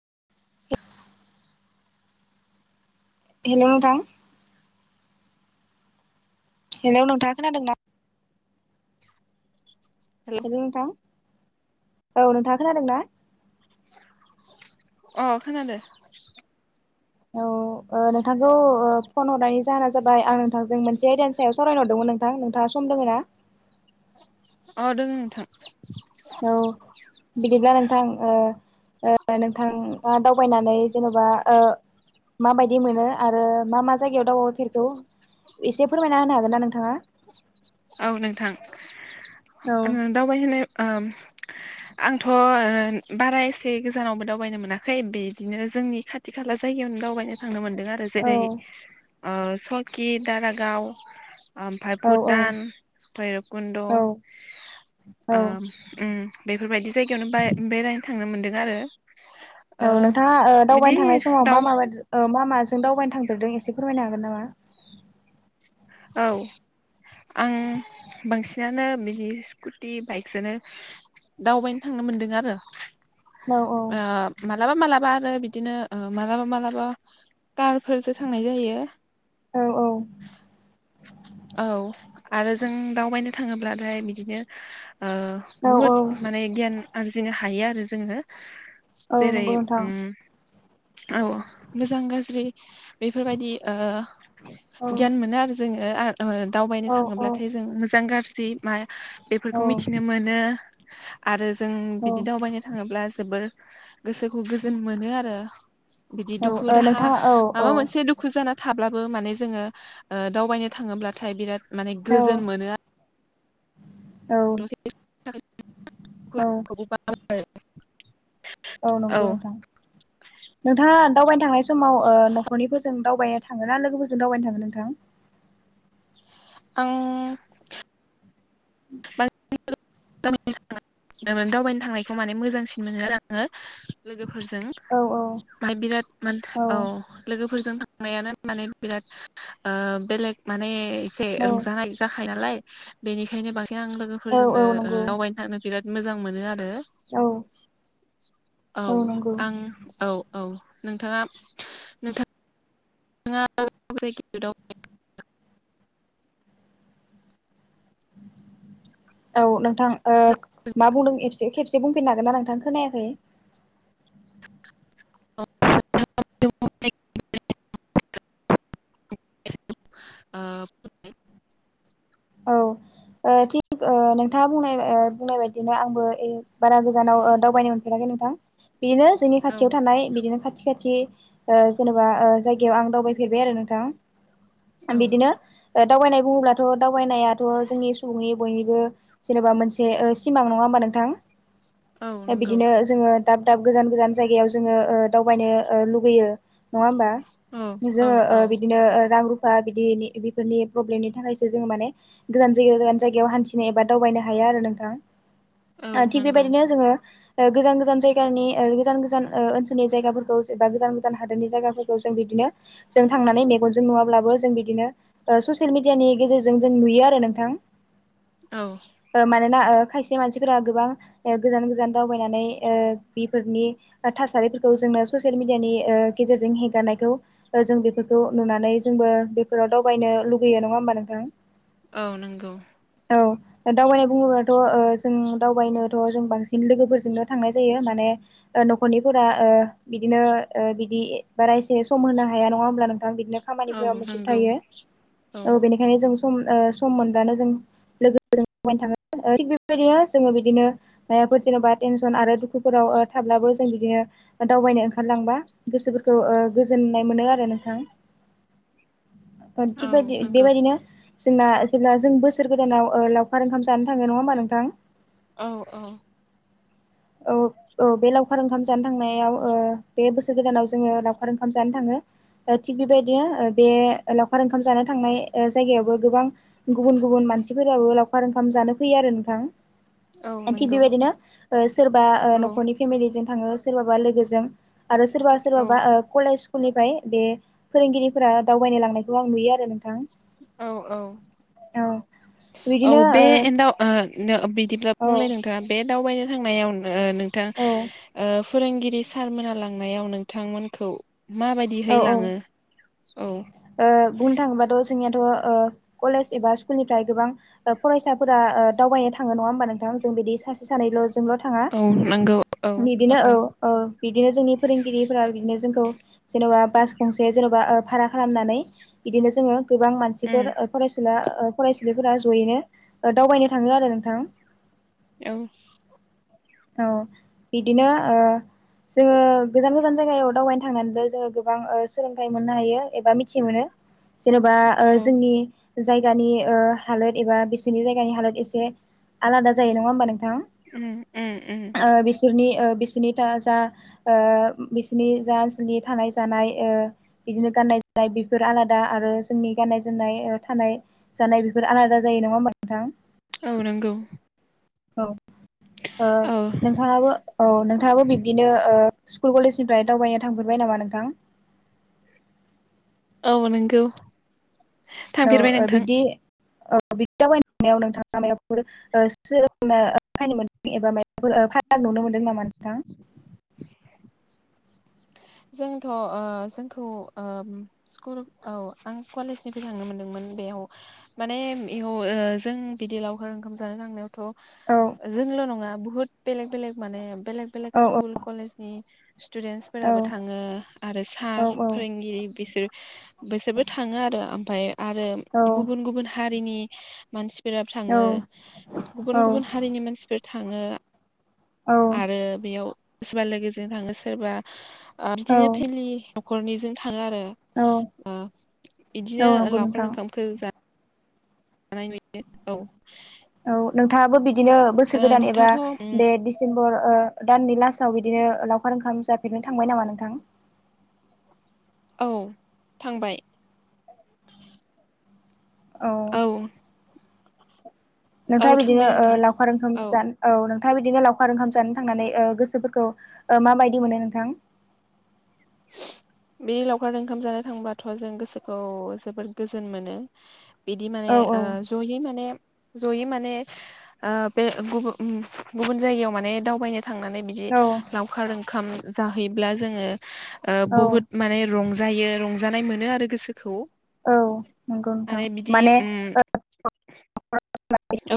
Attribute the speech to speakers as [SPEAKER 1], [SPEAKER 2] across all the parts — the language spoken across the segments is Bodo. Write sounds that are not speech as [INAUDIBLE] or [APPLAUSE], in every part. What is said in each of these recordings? [SPEAKER 1] [INAUDIBLE] हेल' नोंथां हेल' नोंथां खोनादोंना
[SPEAKER 2] [INAUDIBLE]
[SPEAKER 1] हेल' नोंथां औ नोंथाङा खोनादोंना
[SPEAKER 2] अ खानादो
[SPEAKER 1] औ नोंथांखौ फन हरनायनि जाहोना जाबाय आं नोंथांजों मोनसे आयदानि सायाव सावरायनोहरदोंमोन। नोंथां नोंथाङा सम दोङ'ना?
[SPEAKER 2] अ दं नोंथां।
[SPEAKER 1] औ बिदिब्ला नोंथां ओ ओ नोंथां दावबायनानै जेन'बा ओ माबायदि मोनो आरो मा मा जायगायाव दावबायफेरखो एसे फोरमायना होनो हागोन ना नोंथाङा
[SPEAKER 2] औ नोंथां
[SPEAKER 1] औ
[SPEAKER 2] दावबायहैनाय आंथ' बारा एसे गोजानावबो दावबायनो मोनाखै बिदिनो जोंनि खाथि खाला जा जायगायावनो दावबायनो थांनो मोनदों आरो
[SPEAKER 1] औ
[SPEAKER 2] जेरै ओ सकि दारागाव ओमफ्राय
[SPEAKER 1] औ औ
[SPEAKER 2] भुटान
[SPEAKER 1] औ
[SPEAKER 2] भैरबकुन्द' ओ
[SPEAKER 1] औ
[SPEAKER 2] उम बेफोरबायदि जायगायावनो बेरायनो थांनो मोनदों आरो ओ
[SPEAKER 1] औ नोंथाङा ओ
[SPEAKER 2] बिदि
[SPEAKER 1] दावबायनो थांनाय समाव मा
[SPEAKER 2] दाउ
[SPEAKER 1] मा ओ मा मा जों दावबायनो थांफेरदों एसे फोरमायनो हागोन नामा
[SPEAKER 2] औ आं बांसिनानो बिदि स्कुटि बाइकजोंनो दावबायनो थाङो। मोनदों आरो
[SPEAKER 1] औ औ
[SPEAKER 2] ओ मालाबा मालाबा ओ बिदिनो ओ मालाबा मालाबा कारफोरजों थांनाय जायो
[SPEAKER 1] औ औ
[SPEAKER 2] औ आरो जों दावबायनो थाङोब्लाथाय बिदिनो ओ
[SPEAKER 1] औ औ
[SPEAKER 2] बुहुद माने गियान आरजिनो हायो आरो जोङो
[SPEAKER 1] औ
[SPEAKER 2] जेर
[SPEAKER 1] नंगौ नोंथां
[SPEAKER 2] उम औ मोजां गाज्रि बेफोरबायदि ओ
[SPEAKER 1] औ
[SPEAKER 2] गियान मोनो आरो जोङो दावबायनो
[SPEAKER 1] औ
[SPEAKER 2] थाङोब्लाथाय जों मोजां गाज्रि मा
[SPEAKER 1] औ
[SPEAKER 2] बेफोरखौ मिथिनो मोनो आरो जों
[SPEAKER 1] औ
[SPEAKER 2] बिदि दावबायनो थाङोब्ला जोबोर गोसोखौ गोजोन मोनो आरो बिदि दुखु
[SPEAKER 1] ओ
[SPEAKER 2] दाहा
[SPEAKER 1] नोंथाङा औ औ
[SPEAKER 2] माबा मोनसे दुखु जाना थाब्लाबो माने जोङो ओ दावबायनो थाङोब्लाथाय बिराद माने
[SPEAKER 1] औ
[SPEAKER 2] गोजोन मोनो
[SPEAKER 1] [INAUDIBLE] औ
[SPEAKER 2] [UNINTELLIGIBLE]
[SPEAKER 1] औ नंगौ नोंथां नोंथाङा दावबायनो थांनाय समाव ओ न'खरनिफोरजों दावबायनो थाङोना लोगोफोरजों दावबायनो थाङोन नोंथां
[SPEAKER 2] आं
[SPEAKER 1] उम
[SPEAKER 2] [UNINTELLIGIBLE] दावबायनो थांनायखौ माने मोजांसिन मोनो आङो लोगो फोरजोंं
[SPEAKER 1] औ औ
[SPEAKER 2] मा बिराद मान औ लोगोफोरजों थ थांनायानो माने बिराद ओ बेलेग माने एसे
[SPEAKER 1] औ
[SPEAKER 2] रंजानाय जाखायो नालाय बेनिखायनो बांसिन आं
[SPEAKER 1] औ
[SPEAKER 2] लोगोफोरजोंनो
[SPEAKER 1] औ
[SPEAKER 2] ओ
[SPEAKER 1] नंगौ
[SPEAKER 2] दावबायनो थानो बिराद मोजां मोनो आरो रो
[SPEAKER 1] औ
[SPEAKER 2] औ आं औ औ नोंथाङा नोंथा नोंथांङा [UNINTELLIGIBLE]
[SPEAKER 1] [INAUDIBLE] औ नोंथां ओ मा बुंदों एसे खेबसे बुंफिननो हागोन ना नोंथां खोनायाखै
[SPEAKER 2] [UNINTELLIGIBLE] [UNINTELLIGIBLE] आ
[SPEAKER 1] औ ओ थिग ओ नोंथाङा ओ बुंनाय बुंनाय बायदिनो आंबो बारा गोजानाव ओ दावबायनो मोनफेराखै नोंथां बिदिनो जोंनि
[SPEAKER 2] औ
[SPEAKER 1] खाथियाव थानाय बिदिनो खाथि खाथि ओ जेन'बा ओ जायगायाव आं दावबायफेरबाय आरो नोंथां
[SPEAKER 2] औ
[SPEAKER 1] बिदिनो ओ दावबायनाय बुङोब्लाथ' दावबायनायाथ' जोंनि सुबुंनि बयनिबो जेनेबा मोनसे ओ सिमां नङा होमबा नोंथां
[SPEAKER 2] औ
[SPEAKER 1] दा
[SPEAKER 2] नंगौ
[SPEAKER 1] बिदिनो जोङो दा दाब गोजान गोजान जायगायाव जोङो ओ दावबायनो ओ लुगैयो नङा होमबा
[SPEAKER 2] औ औ
[SPEAKER 1] जोङो ओ
[SPEAKER 2] औ
[SPEAKER 1] बिदिनो रां रुफा बिदि बेफोरनि प्रब्लेमनि थाखाय जोङो माने गोदान जायायाव गोजान जायगायाव हान्थिनो एबा दावबायनो हाया आरो नोंथां
[SPEAKER 2] औ
[SPEAKER 1] थिग
[SPEAKER 2] नंगौ
[SPEAKER 1] बेबायदिनो जोङो ओ गोजान गोजान जायगानि ओ गोजान गोजान ओ ओनसोलनि जायाफोरखौ एबा गोजान गोजान हादोरनि जायगाफोरखौ जों बिदि नो जों थांनानै मेगनजों‌ नुयाल्बाबो बिदिनो ओ ससेलमिडयिनि गेजेरजों जों नुयो आरो नोंथां।
[SPEAKER 2] औ
[SPEAKER 1] ना खायसे मानसिफोरा गोबां गोजान गोजान दावबायनानै बेफोरनि थासारि जेलयानि गेजेरजों हेंगारनायखौ जों बे नुनानै जोंबो फोरावबायनो लुगैयो नङा होमबा नोंथां।
[SPEAKER 2] औ नंगौ।
[SPEAKER 1] औ दावबायनाय बुङोब्लाथ' जों दावबायनोथ' जों बांसिन लोगोफोरजोंनो थांनाय जायो माने न'खरनिफोरा बिदिनो बिदि बारा एसे सम होनो हाया नङा होमब्ला नों बिदिनो
[SPEAKER 2] औ
[SPEAKER 1] खामानिफोरा मुखुब
[SPEAKER 2] नंगौ
[SPEAKER 1] थायो औ बेनि [UNINTELLIGIBLE] थि बेबायदिनो जोङो बिदिनो मफोर जेनेबा टेनसन आरो दुखुफोराव थाब्लाबो बो जों बिदिनो दावबायनो ओंखारलांबा गोसोफोरखौ गोजोननाय मोनो आरो नोंथां। थिग
[SPEAKER 2] औ
[SPEAKER 1] बेयदि
[SPEAKER 2] नंगौ
[SPEAKER 1] बेबायदिनो जोंना जेब्ला जों बोसोर गोदानाव ओ लावखार ओंखाम जानो थाङो नङा होनबा नोंथां
[SPEAKER 2] औ औ
[SPEAKER 1] औ औ बे लावखार ओंखाम जानो थांनायाव ओ बे बोसोर गोदानाव जोङो लावखार ओंखाम जानो थाङो थिग बेबायदिनो बे लावखार ओंखाम जानो थांनाय जायगायावबो गोबां गुबुन गुबुन गुबुन मानसिफोराबो लावखार ओंखाम जानो फैयो आरो नोंथां
[SPEAKER 2] औ
[SPEAKER 1] थिग
[SPEAKER 2] नंगौ
[SPEAKER 1] बेबायदिनो ओ सोरबा ओ
[SPEAKER 2] औ
[SPEAKER 1] न'खरनि फेमिलिजों थाङो सोरबाबा लोगोजों आरो सोरोबा
[SPEAKER 2] औ
[SPEAKER 1] सोरबाबा ओ कलेज स्कुलनिफ्राय बे फोरोंगिरिफोरा दावबायनो लांनायखौ आं नुयो आरो नोंथां
[SPEAKER 2] औ औ
[SPEAKER 1] औ
[SPEAKER 2] औ
[SPEAKER 1] बिदिनो
[SPEAKER 2] [UNINTELLIGIBLE] दिब्ला
[SPEAKER 1] ओ औ
[SPEAKER 2] बुंलाय नोंथाङा बे दावबायनो थांनायाव नोंथां
[SPEAKER 1] औ
[SPEAKER 2] ओ फोरोंगिरि सारमोना लांनायाव नोंथांमोनखौ माबायदिहै
[SPEAKER 1] औ औ
[SPEAKER 2] लाङो? औ
[SPEAKER 1] ओ बुंनो थाङोबाथ' जोंनिया थ ओ कलेज एबा स्कुलनिफ्राय गोबां फरायसाफोरा ओ दावबायनो थाङो नङा होमबा नोंथां जों बिदि सासे सानैल' जोंल' थाङा
[SPEAKER 2] औ नंगौ औ
[SPEAKER 1] बिदिनो औ औ बिबदिनो जोंनि फोरोंगिरिफोरा बिदिनो जोंखौ जेनेबा बास गंसे जेन'बा भारा खालामनानै बिदिनो जोङो गोबां
[SPEAKER 2] उम
[SPEAKER 1] मानसिफोर फरायसुला फरायसुलिफोरा ज'यैनो दावबायनो थाङो आरो नोंथां
[SPEAKER 2] औ
[SPEAKER 1] औ बिदिनो ओ जोङो गोजान गोजान जायगायाव दावबायनो थांनानैबो जोङो गोबां सोलोंथाइ मोननो हायो एबा मिथि मोनो जेनेबा ओ
[SPEAKER 2] औ
[SPEAKER 1] जोंनि जायगानि ओ हालोद एबा बिसोरनि जायगानि हालोद एसे आलादा जायो नङा होमबा नोंथां
[SPEAKER 2] औ
[SPEAKER 1] ओ बि बिसोरनि ओ बिसोरनि जा ओ बिसोरनि जा ओनसोलनि थानाय जानाय ओ बिदिनो गाननाय जोमनाय बेफोर आलादा आरो जोंनि गाननाय जोमनाय थानाय जानाय बेफोर आलादा जायो नङा होमबा नोंथां
[SPEAKER 2] औ नोंगौ
[SPEAKER 1] औ ओ नोंथाङाबो औ नोंथाङाबो बिब्दिनो ओ स्कुल कलेजनिफ्राय दावबायनो थांफेरबाय नामा नोंथां
[SPEAKER 2] औ नोंगौ
[SPEAKER 1] औ ओ बिदि औ बि दाव बायाव नोंथाङा मायबाफोर सोलोंनो फायनो मोनदों एबा माबाफोर नुनो मोनदों नामा नोंथां
[SPEAKER 2] जोंथ' ओ जोंखौ ओ स्कुल औ आं कलेजनिफ्राय थांनो मोनदोंमोन। बेयाव माने बेयाव जों बिदि लावखार ओंखाम जानो
[SPEAKER 1] औ
[SPEAKER 2] लांनायावथ' जोंल' नङा बुहुत बेलेक बेलेग माने बेलेक बेलेग
[SPEAKER 1] औ
[SPEAKER 2] स्कुल कलेजनि
[SPEAKER 1] औ
[SPEAKER 2] स्टुदेन्सफोराबो थाङो आरो
[SPEAKER 1] औ
[SPEAKER 2] सार फोरोंगिरि बिसोर बेसोरबो थाङो आरो ओमाय आरो
[SPEAKER 1] औ
[SPEAKER 2] गुबुन गुबुन हारिनि मानसि बिराद थाङो गुबुन गुबुन हारिनि मानसिफोर थाङो आरो बेयाव सोरबा लोगोजों थाङो सोरबा आ
[SPEAKER 1] औ
[SPEAKER 2] बिदिनो फेमेलि न'खरनिजों थाङो आरो
[SPEAKER 1] औ
[SPEAKER 2] ओ
[SPEAKER 1] औ
[SPEAKER 2] इदिनो
[SPEAKER 1] नंगौ नोंथां
[SPEAKER 2] लावखखार ओंखामखौ जा जानाय नुयो औ
[SPEAKER 1] औ नोंथाङाबो बिदिनो बोसोर
[SPEAKER 2] ओ
[SPEAKER 1] गोदान एबा
[SPEAKER 2] नोंथाङाथ'
[SPEAKER 1] बे डिसेम्बर ओ दाननै लास्टाव बिदिनो लावखार ओंखाम जाफेरनो थांबाय नामा नोंथां
[SPEAKER 2] औ थांबाय
[SPEAKER 1] औ नों
[SPEAKER 2] औ
[SPEAKER 1] थांङा बिदिनो
[SPEAKER 2] थांबाय
[SPEAKER 1] ओ
[SPEAKER 2] नोंथां
[SPEAKER 1] लावखार ओंखाम जान औ नों थांङा बिदिनो लावखार ओंखाम जानो थांनानै ओ गोसोफोरखौ ओ मााबायदि मोनो नोंथां??
[SPEAKER 2] बे लावखार ओंखाम जानो थांबाथ' जों गोसोखौ जोबोद गोजोन मोनो। बिदि माने
[SPEAKER 1] औ औ
[SPEAKER 2] ओ जयै माने जयै माने ओ बे गुब-गुबुन जायगायाव माने दावबायनो थांनानै बिदि लावखार ओमखाम जाहैब्ला जोंङो ओ
[SPEAKER 1] औ
[SPEAKER 2] बुहत माने रं जायो रंजानाय मोनो आरो गोसोखौ।
[SPEAKER 1] औ नंगौ नोंथां
[SPEAKER 2] आरो बिदि
[SPEAKER 1] माने
[SPEAKER 2] उम
[SPEAKER 1] ओ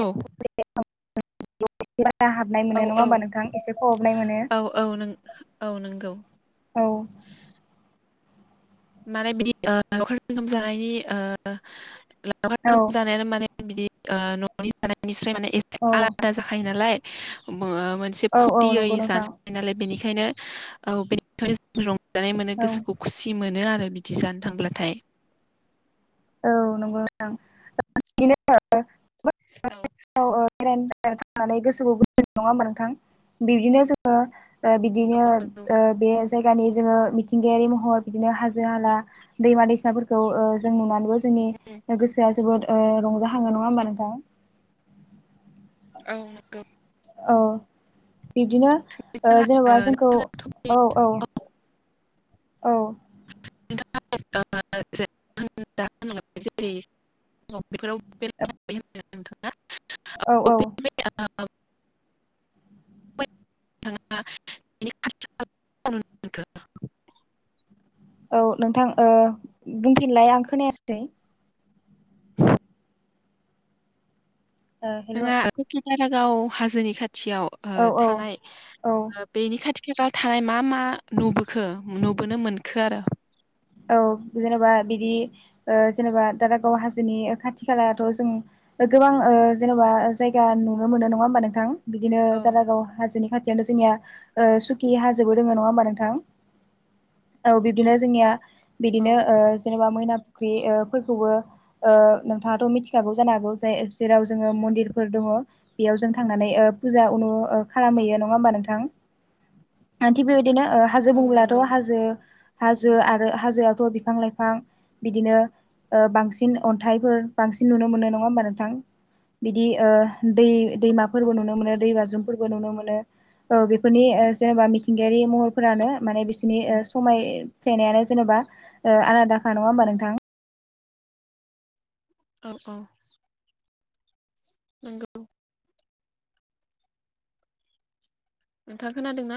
[SPEAKER 2] औ
[SPEAKER 1] ना हाबनाय मोनो
[SPEAKER 2] औ
[SPEAKER 1] नंङा
[SPEAKER 2] औ
[SPEAKER 1] होमबा नोंथां? एसे खहाबनाय मोनो
[SPEAKER 2] औ औ नों औ नंगौ
[SPEAKER 1] औ
[SPEAKER 2] माने बिदि ओ लावखार ओंखाम जानायनि ओ लावखार
[SPEAKER 1] औ
[SPEAKER 2] ओंखाम जानायानो माने बिदि ओ न'नि जानायनिस्राय माने एसे
[SPEAKER 1] औ
[SPEAKER 2] आलादा जाखायो नालाय ओ मोनसे
[SPEAKER 1] औ औ
[SPEAKER 2] फुरथियै
[SPEAKER 1] नंगौ नोंथां
[SPEAKER 2] जानसै नालाय बेनिखायनो औ बेनिखाय रं जानाय मोनो
[SPEAKER 1] औ
[SPEAKER 2] गोसोखौ खुसि मोनो आरो बिदि जानो थांब्लाथाय।
[SPEAKER 1] औ नंगौ नोंथां
[SPEAKER 2] औ नंगौ
[SPEAKER 1] [UNINTELLIGIBLE] थांनानै गोसोखौ गोजोननाय नङा होमबा नोंथां? बिब्दिनो जोङो ओ बिदिनो ओ बे जायगानि जोङो मिथिंगायारि महर बिदिनो हाजो हाला, दैमा, दैसाफोरखौ जों नुनानै बो जोंनि ओ गोसोआ जोबोद ओ रंजाहाङो नङा होमबा नोंथां?
[SPEAKER 2] औ नोंगौ
[SPEAKER 1] औ बिब्दिनो ओ जेनेबा जोंखौ
[SPEAKER 2] नोंथाङाथ' बे
[SPEAKER 1] औ औ औ
[SPEAKER 2] [UNINTELLIGIBLE] [UNINTELLIGIBLE]
[SPEAKER 1] औ औ
[SPEAKER 2] नोंथाङा [UNINTELLIGIBLE]
[SPEAKER 1] औ नोंथां ओ बुंफिनलाय आं खोनायासै ओ हेल'
[SPEAKER 2] नोंथाङा ओ ककिदारागाव हाजोनि खाथियाव ओ
[SPEAKER 1] औ औ
[SPEAKER 2] थानाय
[SPEAKER 1] औ
[SPEAKER 2] ओ बेनि खाथि खाला थानाय मा मा नुबोखो नुबोनो मोनखो आरो?
[SPEAKER 1] औ जेनेबा बिदि ओ जेनेबा दारागाव हाजोनि ओ खाथि खालथ' जों ओ गोबां ओ जेनेबा ओ जायगा नुनो मोनो नङा होमबा नोंथां? बिदिनो
[SPEAKER 2] औ
[SPEAKER 1] दारागाव हाजोनि खा थियाथ जोंनिया ओ सुखि हाजोबो दोङो नङा होमबा नोंथां? औ बिब्दिनो जोंनिया
[SPEAKER 2] औ
[SPEAKER 1] बिदिनो ओ जेनेबा मैना फुख्रि ओ फोरखौबो ओ नोंथांङा थ' मिथिखागौ जानो हागौ जाय जेराव जोंङो मन्दिर फोर दंङ बेयाव जों थांनानै ओ फुजा उनु ओ खालामहैयो नंङा होमबा नोंथां? आ थिग बेबायदिनो हाजो
[SPEAKER 2] औ
[SPEAKER 1] बुंब्लाथ'
[SPEAKER 2] नंगौ
[SPEAKER 1] हाजो-हाजो आरो हा हाजोआवथ' बिफां लाइफां बिदिनो ओ बांसिन अन्थाइफोर बांसिन नुनो मोनो नङा होमबा नोंथां? बिदि ओ दै दैमाफोरबो नुनो मोनो दै बाज्रुमफोरबो नुनो मोनो। औ बेफोरनि ओ जेनेबा मिथिंगायारि महरफोरानो माने बिसोरनि ओ समाय फ्लेनायानो जेनेबा ओ आलादाखा नङा होमबा नोंथां?
[SPEAKER 2] औ औ नोंगौ नोंथा खोनादों ना?